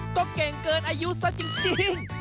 ก็เก่งเกินอายุซะจริง